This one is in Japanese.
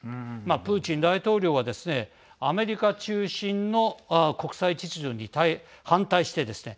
プーチン大統領はですねアメリカ中心の国際秩序に反対してですね